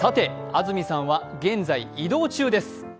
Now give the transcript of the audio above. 安住さんは現在、移動中です。